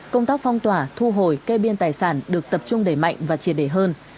công tác phong tỏa thu hồi kê biên tài sản được tập trung đẩy mạnh và triệt đề hơn